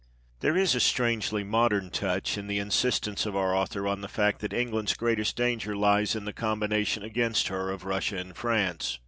" There is a strangely modern touch in the insistence of our author on the fact that England's greatest danger x THE EDITOR'S PREFACE. lies in the combination against her of Russia and France.